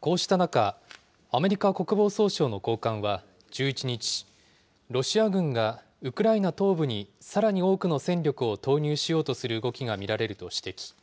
こうした中、アメリカ国防総省の高官は１１日、ロシア軍がウクライナ東部にさらに多くの戦力を投入しようとする動きが見られると指摘。